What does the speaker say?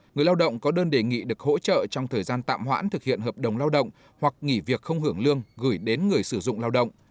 người lao động có đơn đề nghị được hỗ trợ trong thời gian tạm hoãn thực hiện hợp đồng lao động hoặc nghỉ việc không hưởng lương gửi đến người sử dụng lao động